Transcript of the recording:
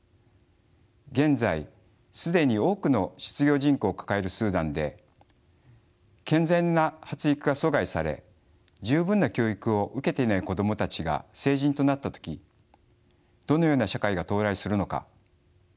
現在既に多くの失業人口を抱えるスーダンで健全な発育が阻害され十分な教育を受けていない子供たちが成人となった時どのような社会が到来するのか。